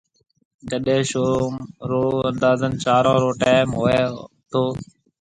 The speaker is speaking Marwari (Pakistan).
جڏي شوم رو اندازن چارون رو ٽيم هوئيو هتو۔